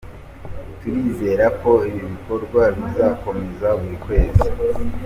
Turizerako ibi bikorwa bizakomeza buri kwezi.